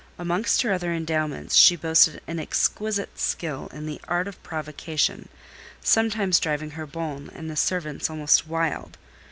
Amongst her other endowments she boasted an exquisite skill in the art, of provocation, sometimes driving her bonne and the servants almost wild.